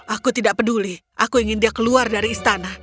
aku tidak peduli aku ingin dia keluar dari istana